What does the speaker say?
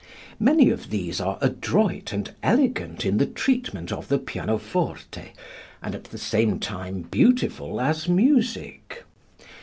Many of these are adroit and elegant in the treatment of the pianoforte, and at the same time beautiful as music.